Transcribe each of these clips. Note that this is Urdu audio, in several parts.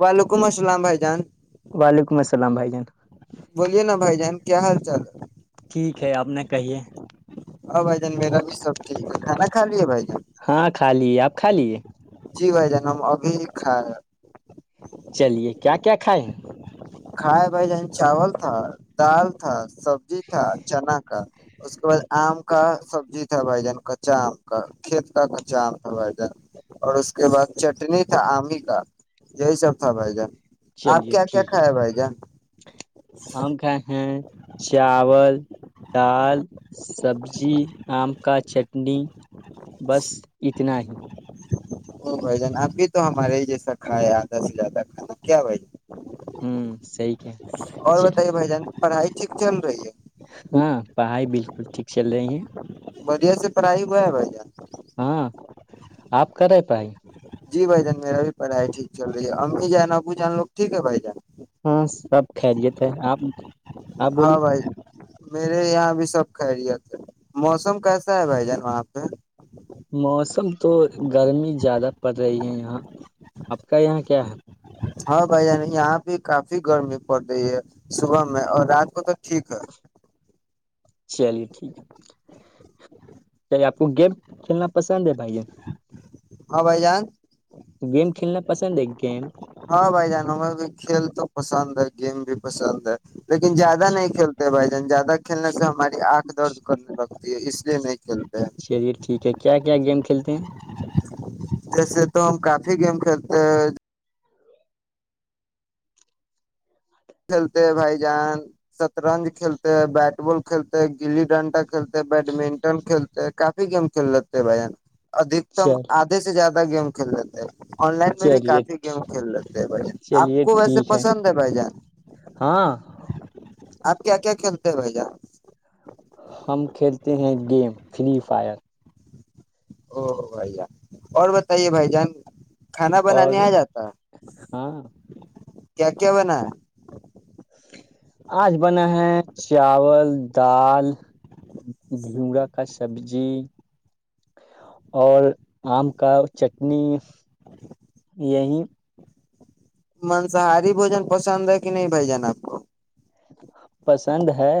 وعلیکم السلام بھائی جان وعلیکم السلام بھائی جان بولیے نا بھائی جان کیا حال چال ہے ٹھیک ہے آپ نے کہیے [unintelligible] ہ ب جن بییرا [unintelligible] سب ٹھیک ہے کھانا کھا لیے بھائی جان [unintelligible] کا لیے آپ کھا لیے [unintelligible] جی بھائی جانام ابھی خار ہے [unintelligible] چلیے کیا کیا کھائے ہیں کائے بھائی ج چاول تھا دال تھا سبزی تھا چنا کا [unintelligible] اس کے بعد آم کا سبزی تھا بھائی جان کچا آم کا کھیت کا کچا آم تھا بھائی جان اور اس کے بعد چٹنی تھا آم ہی کا یہی سب تھا بھائی جان آپ چلیے کیا کیا ٹھیک کھائے بھائی جان [unintelligible] ہم ک ہیں چاول [unintelligible] دال سبزی آم کا چٹنی بس اتنا ہی [unintelligible] وہ بھائی جان ابھی تو ہمارے ہی جیسا کھائے آدھا سے زیادہ کھانا کیا بھائی جان ہوں سی کیا اور [unintelligible] بتائیے بھائی جان پڑھائی ٹھیک چل رہی ہے [unintelligible] ہاں پڑھائی بالکل ٹھیک چل رہی ہے بڑیا سے پرڑھائی ہو ہے بھائی ج ہاں آپ کرے پھائی [unintelligible] جی بھائی جان میرا بھی پڑھائی ٹھیک چل رہی ہے امی جانا ابو جان لوگ ٹھیک ہے بھائی جان [unintelligible] ہاں سب خیریت ہے آپ آپ ہاں بولیے [unintelligible] بھائی میرے یہاں بھی سب خیریت ہے موسم کیسا ہے بھائی جان وہاں پہ موسم [unintelligible] تو گرمی زیادہ پڑ رہی ہے یہاں آپ کا یہاں کیا ہے [unintelligible] ہاں بھائی یہاں پہ کافی گرمی پڑ رہی ہے صبح میں اور رات کو تو ٹھیک ہے چلیے ٹھیک ہے چلیے آپ [unintelligible] وہ گیم کھیلنا پسند ہے بھائی [unintelligible] ہاں بھائی جان گیم کھیلنا [unintelligible] پسند ایک گیم [unintelligible] ہاں بھائی جانو ہمیں بھی کھیل تو پسند ہے گیم بھی پسند ہے لیکن زیادہ نہیں کھیلتے بھائی [unintelligible] ن زیادہ کھیلنے سے ہمارے [unintelligible] آنکھ درد کرنے لگتا [unintelligible] تی اس لیے نہیں کل شریر ٹھیک ہے [unintelligible] کیا کیا گیم کھیلتے ہیں [unintelligible] جیسے تو ہم کافی گیم کھیلتے ہیں [unintelligible] کھیلتے ہیں بھائی جان شطرنج کھیلتے بیٹ بال کھیلتے گلی ڈنڈا کھیلتے بیڈمنٹن کھیلتے کافی گیم کھیل لیتے بھائی جان ادھکتم چل آدھے سے زیادہ [unintelligible] گیم کھیل جاتا ہیں [unintelligible] آن لائن میں بھی چلیے کافی گیم کھیل لیتے ہیں بھائی جان آپ چلیے کو ویسے ٹھیک پسند ہے بھائی جان [unintelligible] ہاں [unintelligible] آپ کیا کیا کھیلتے ہیں بھائی جان [unintelligible] ہم کھیلتے ہیں گیم فری فائر او بھائی جان اور بتائیے بھائی جان [unintelligible] کھانا اور بنانے آ جاتا ہاں [unintelligible] کیا کیا ہوناا ہے [unintelligible] آج بنا ہے چاول دال گھیورا کا سبزی اور آم کا چٹنی یہی [unintelligible] مانساہاری بوجن پسند ہے کہ نہیں بھائی جان آپ کو پسند ہے [unintelligible] ہے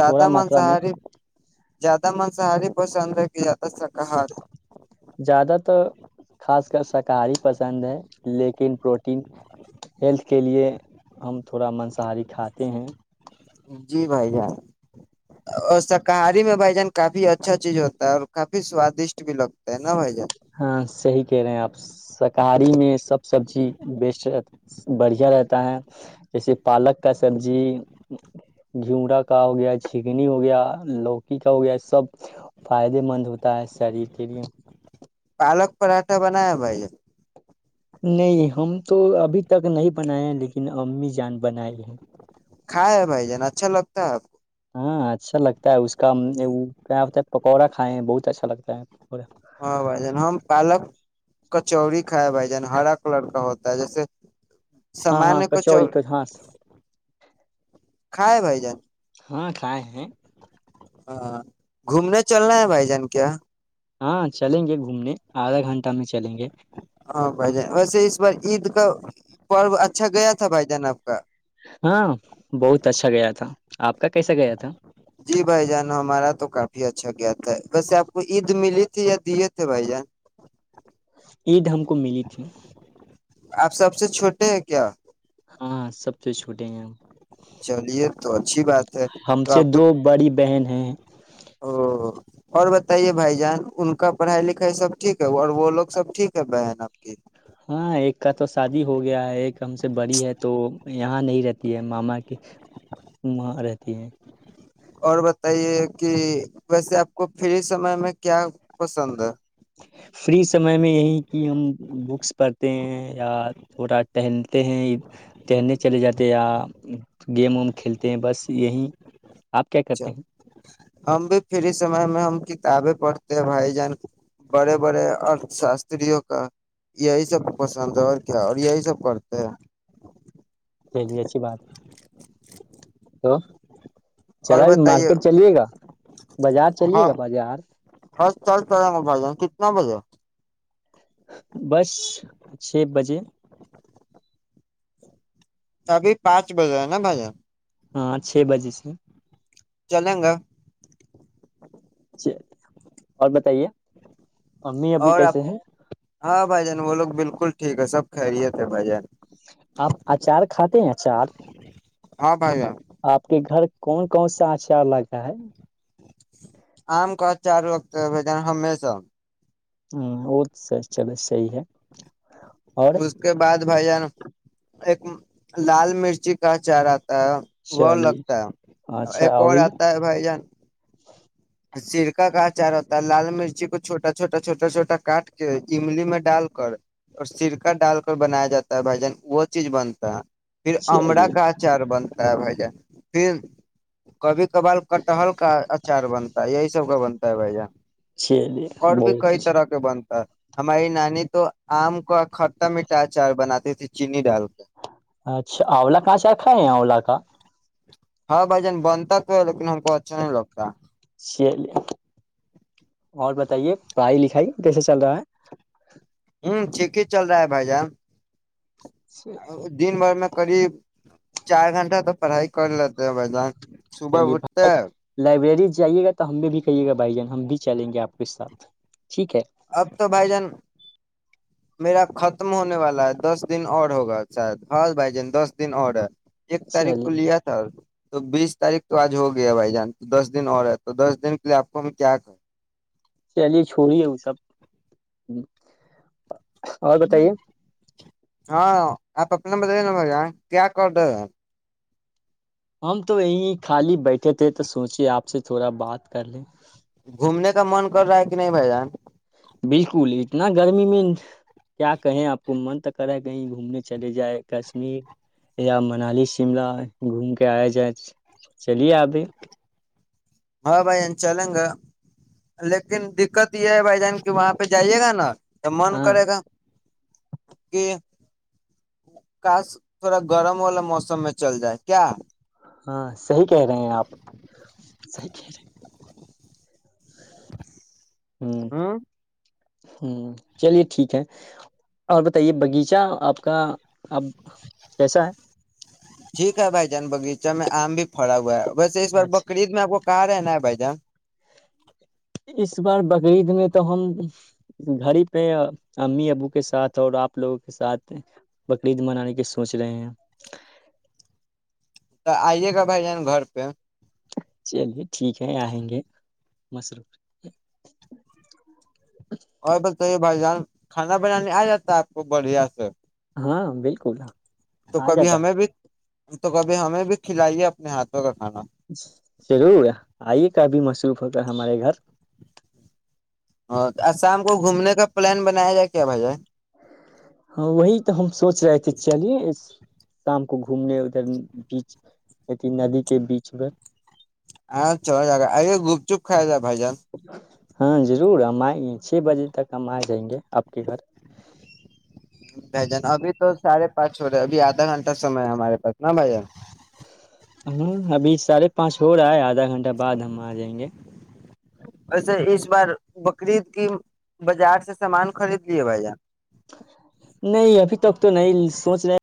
تھوڑا ماترا میں [unintelligible] مانساہاری زیادہ منساہاری پش اندر کہ زیادہ س زیادہ تو خاص [unintelligible] کا شاکاہاری پسند ہے لیکن پروٹین ہیلتھ کے لیے ہم تھوڑا مانساہاری کھاتے ہیں [unintelligible] جی بھائی جان اور شاکاہاری میں بھائی جان کافی اچھا چیز ہوتا ہے اور کافی سوادشٹ بھی لگتا ہے نا بھائی جان [unintelligible] ہاں صحی کہہ رہے ہیں آپ شاکاہاری میں سب سبزی بیسٹ بڑھیا رہتا ہے جیسے پالک کا سبزی گھیورا کا ہو گیا جگنی ہو گیا لوکی کا ہو گیا سب فائدے مند ہوتا ہے شریر کے لیے [unintelligible] پالک پراٹھا بنایا بھائی [unintelligible] نہیں ہم تو ابھی تک نہیں بنائے لیکن امی جان بنائی ہے کھا ہے بھائی جان اچھا لگتا ہے آپ کو ہاں اچھا لگتا ہے اس کا کیا ہوتا ہے پکوڑا کھائے ہیں بہت اچھا لگتا ہے [unintelligible] ہاں بھائی جان ہماں پالک [unintelligible] کچی کھائے بھائی جان ہرا کلر کا ہوتا ہے جیسے ہاں سامان ہاں کو چ کچوڑی ہاں کھائے بھائی جان [unintelligible] ہاں کھائے ہیں [unintelligible] ہاں گھومنا چلنا ہے بھائی جان کیااں ہاں چلیں گے گھومنے آدھا گھنٹہ میں چلیں گے [unintelligible] ہاں بھائی جان ویسے اس بار عید کا پرو اچھا گیا تھا بھائی جان آپ کا ہاں بہت [unintelligible] اچھا گیا تھا آپ کا کیسا گیا تھا [unintelligible] جی بھائی جان ہمارا تو کافی اچھا گ تھا ہے ویسے آپ کو عید ملی تھی یا دیے تھے بھائی جان عید ہم کو ملی تھی [unintelligible] آپ سب سے چھوٹے ہیں کیا ہاں سب سے چھوٹے ہیں ہم چلیے تو اچھی بات ہے ہم تو سے آپ کو دو بڑی بہن ہیں او اور بتائیے بھائی جان ان کا پڑھائی لکھائی سب ٹھیک ہے اور وہ لوگ سب ٹھیک ہے بہن اب ہاں ایک کا تو شادی ہو گیا ہے ایک ہم سے بڑی ہے تو یہاں نہیں رہتی ہے ماما [unintelligible] کہ وہاں رہتی [unintelligible] [unintelligible] اور بتائیے کہ ویسے آپ کو فری سمے میں کیا پسند ہے فری سمے میں یہی کہ ہم بکس پڑھتے ہیں یا تھوڑا ٹہلتے ہیں ٹہلنے چلے جاتے یا گیم وم کھیلتے ہیں بس یہی آپ کیا اا کرتے ہیں ہم بھی فری سمے میں ہم کتابیں پڑھتے [unintelligible] تے بھائی جان بڑے بڑے ارتھ شاستریوں کا یہی سب پسند اور کیا اور یہی سب کرتے ہیں [unintelligible] س اچچھی بات [unintelligible] تو [unintelligible] چل اور اب بتائیے مارکیٹ چلیے گا بازار چلیے ہاں گا بازار ن بول [unintelligible] بس چھ بجے [unintelligible] ابھی پانچ بجے ہیں نا بھائی جان ہاں چھ بجے سے [unintelligible] چلیں گا [unintelligible] اور بتائیے [unintelligible] اور آپ کیسے ہیں ہاں بھائی جان وہ لوگ بالکل [unintelligible] بالکل ٹھیک ہے سب خھریے تھے بجن [unintelligible] آپ اچار کھاتے ہیں اچار ہاں بھائی جان آپ کے گھر کون کون سا آچار لگا ہے [unintelligible] آم کا چار وقت ہے ب ج ہمیشہ ہ وہ اچھا بس صحی ہے اور اس کے بعد بھائی جان ایک لال مرچی کا چارہ وہ چلیے لگتا ہے اچھا ایک اور یہ آتا ہے بھائی جان [unintelligible] سرکا کا اچار ہوتا ہے لال مرچی کو چھوٹا چھوٹا چھوٹا چھوٹا کاٹ کے املی میں ڈال کر اور سرکا ڈال کر بنایا جاتا ہے بھائی جان وہ چیز بنتا ہے پھر امڑا چلیے کا اچار بند خ جائے پھر کبھی کبار کٹحل کا اچار [unintelligible] یہی سب کا بنتا ہے بھ چلیے اور بھی بہت کئی طرح اچھا کے بنتا [unintelligible] ہماری نانی تو آم کا کھٹٹا مٹھا ا چاار بناتیے چینی ڈال [unintelligible] اچھا آولا کہاںچ آکھا آولہ کا تھا [unintelligible] ہاں بھائی جان بنتا تو ہے لیکن ہم کو اچھا نہیں لگتا چلی اور بتائیے پڑھائی لکھائی کیسا چل رہا ہے ہوں ٹھیک ہی چل رہا ہے بھائی جان [unintelligible] ہے دن بھر میں [unintelligible] قریب چار گھنٹہ تو پڑھائی کر لیتے ہیں بھ جان صبح چلیے اٹھتے بھائی ہیں لائبریری جائیے گا تو ہم بھی کہیے گا بھائی جان ہم بھی چلیں گے آپ کے ساتھ ٹھیک ہے اب تو بھائی جان میرا ختم ہونے والا ہے دس دن اور ہوگا شاید ہاں بھائی جان دس دن اور ہے ایک تاریخ کو چلیے لیا تھا تو بیس تاریخ تو آج ہو گیا ہے بھائی جان دس دن اور ہے تو دس دن کے لیے آپ کو ہم کیا کہ چلیے چھوڑیے وہ سب اور بتائیے ہاں آپ اپنا ن بتے ن مے کیا کرڈر ہے ہم تو یہیں خالی بیٹھے تھے تو سوچے آپ سے تھوڑا بات کر لیں گھومنے کا من کر رہا ہے کہ نہیں بھائی جان بالکل اتنا گرمی میں کیا کہیں آپ کو من تو کرا کہیں گھومنے چلے جائے کشمیر یا منالی شملہ گھوم کے آیا جائے چلیے ابھی ہاں بھائی چلیں گا لیکن دقت یہ ہے بھائی جان کے وہاں پہ جائیے گا نا تو من ہاں کرے گا کہ کاش تھوڑا گرم والا موسم میں چل جائے کیا ہاں صحیح کہہ رہے ہیں آپ جکرے ہ ہوں ہ چلیے ٹھیک ہے اور بتائیے باغیچہ آپ کا اب کیسا ہے ٹھیک ہے بھائی جان بغیچہ میں آم بھی پڑا ہوا ہے ویسے اس بار بکرعید میں آپ کو کار ہےنا بائ جا اس بار بقرعید میں تو ہم گھر ہی پہ امی ابو کے ساتھ اور آپ لوگوں کے ساتھ بقرعید منانے کے سوچ رہے ہیں تو آئیے گا بھائی جان گھر پہ چلیے ٹھیک ہے آئیں گے مصروف اور بتائیے بھائی جان کھانا بنانے آ جاتا ہے آپ کو بڑھیا سے ہاں بالکل ہاں آ جاتا ہم تو کبھی ہمیں بھی کھلائیے اپنے ہاتھوں کا کھانا شرو ہوا آئیے کابھی مشروف ہوتا ہمارے گھر ہاں شام کو گھومنے کا پلان بنایا جائے کیا بھائیائی ہاں وہی تو ہم سوچ رہے تھے چلیے شام کو گھومنے ادھر بیچتی ندی کے بیچ ب کائے جا بھ جان ہاں ضرور ہم آئے چھ بجے تک ہم آ جائیں گے آپ کے گھر جان ابھی تو ساھے پانچ [unintelligible] چھو رہے اب آدھا گھنٹہم ہے ہمارے پس نا بھائی [unintelligible] ہاں ابھی ساھے پانچ ہو رہا ہے آج آدھا گھنٹہ بعد ہم آ جائیں گے [unintelligible] ایسے اس بار بکریید کی بازار سے سامان خرید لیے بھائی نہیں ابھی تک تو نہیں سوچ رہے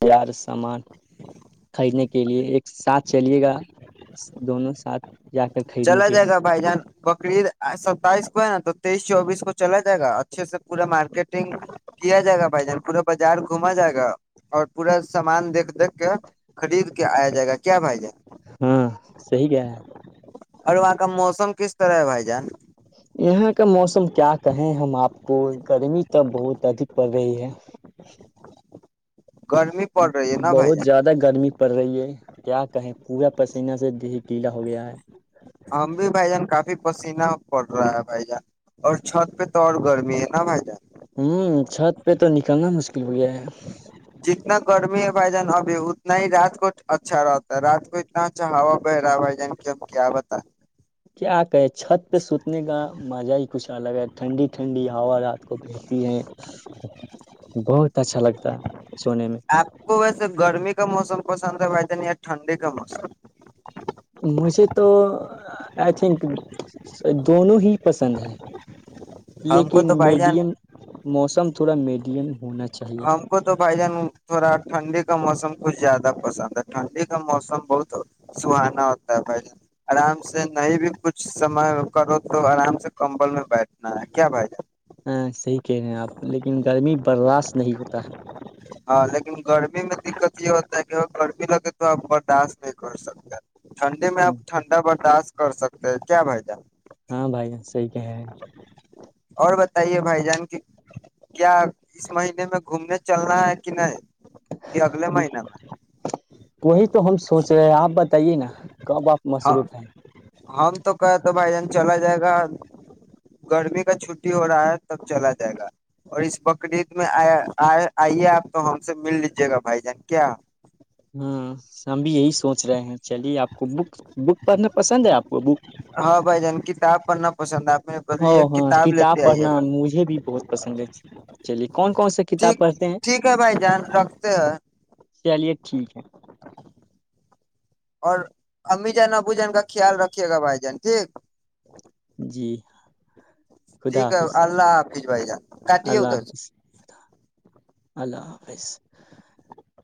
تیار سامان خریدنے کے لیے ایک ساتھ چلیے گا دونوں ساتھ [unintelligible] خریدنے چلا کے جائے گا بھائی جان بقرریید ستائیس نا تو تیئیس چوبیس کو چلا جائے گا اچھے سے پورا مارکیٹنگ کیا جائے گا بھائی جان پورا بازار گھوما جائے گا اور پورا سامان دیکھ [unintelligible] اک خلید [unintelligible] آیا جائے گا کیا بھائی ج [unintelligible] ہاں صی کیا ہے [unintelligible] اور وہاں کا موسم کس طرح ہے بھائی جان یہاں کا موسم کیا کہیں ہم آپ کو گرمی تو بہت ادک پڑ رہی ہے گرمی پڑ رہی ہے نا بھائی بہت جان زیادہ گرمی پڑ رہی ہے کیا کہیں پورا پسینہ سے د کیلا ہو گیا ہے [unintelligible] ہم بھی بھائی جان کافی پسینہ پڑ رہا ہے بھائی جان اور چھت پہ تو اور گرمی ہے نا بھائی جان [unintelligible] ہوں چھت پہ تو نکلنا مشکل ہو گیا ہے جتنا گرمی ہے بھائی جان ابھی اتنا ہی رات کو اچھا رہتا ہے رات کو اتنا اچھا ہا بہ رہا ہے بھائی جانب کیا بتا کیا کہے چھت پہ سوتنے کا مزہ ہی کیا کچھ الگ ہے ٹھنڈی ٹھنڈی ہوا رات کو بہتی ہے بہت اچھا لگتا ہے سونے میں و نہیں ٹھنڈی کا موسم [unintelligible] مجھے تو آئی تھنک دونوں ہی پسند ہیں ہم کو لیکن تو بھائی جان میڈیم موسم تھوڑا میڈیم ہونا [unintelligible] ہم کو تو بھائی جان تھوڑا ٹھنڈی کا موسم کچھ زیادہ پسند ہے ٹھنڈی کا موسم بہت سہانا ہوتا ہے بھائی ج آرام سے نہیں بھی کچھ سمے کرو تو آرام سے کمبل میں بیٹھنا ہے کیا بھائی جان [unintelligible] ہاں صحیح کہہ رہے ہیں آپ لیکن گرمی بر راش ہاں لیکن گرمی میں دقت [unintelligible] یہ ہوتا ہے کہ گرمی لگے تو آپ برداشت نہیں کر سکتے ٹھنڈے میں اب ہے ٹھنڈا برداشت [unintelligible] کر سکتے ہیں کیا بھائی جان [unintelligible] ہاں بھائی صحی کہہ رہے ہیں [unintelligible] اور بتائیے بھائی جان کی کیا [unintelligible] اس مہینے میں [unintelligible] گھومنے چلنا ہے کہ نہیں [unintelligible] کہ اگلے مہینے میں وہی تو ہم سوچ رہے ہیں آپ بتائیے نا کب آپ ہاں مصروف ہیں [unintelligible] ہم تو کہے تو بھائی جان چلا جائے گا گرمی کا چھٹی ہو رہا ہے تب چلا جائے گا اور اس بقرید میں آیا [unintelligible] آ آئیے آپ تو ہم سے مل لیجیے گا بھائی جان کیا [unintelligible] ہاں ہم بھی یہی سوچ رہے ہیں چلیے آپ کو بک بک پڑھنا پسند ہے آپ کو بک ہاں بھائی جان کتاب پڑھنا پسند ہے آپ نے بدلی ہاں ایک ہاں کتاب لیتے آئیے پڑھنا گا مجھے بھی بہت پسند ہے چلیے کون کون سا کتاب ٹھیک پڑھتے ہیں ٹھیک ہے بھائی دھیان رکھتے ہیں چلیے ٹھیک ہے [unintelligible] اور امی جان ابو جن کا خیال رکھیے گا بھائی جان ٹھیک [unintelligible] جی [unintelligible] ٹھیک ہے حافظ اللہ حافز بھائی جا کاٹی ا ت اللہ حافظ ہفس [unintelligible]